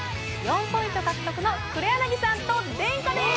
４ポイント獲得の黒柳さんと殿下です！